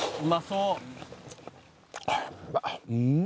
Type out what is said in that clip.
うん！